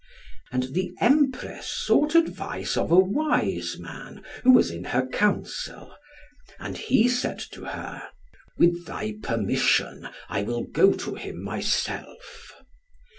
And the Empress sought advice of a wise man, who was in her counsel; and he said to her, "With thy permission, I will go to him myself."